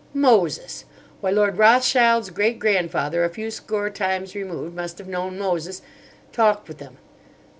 Moses! Why, Lord Rothschild's great grandfather, a few score times removed, must have known Moses, talked with him.